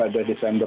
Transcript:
apakah itu benar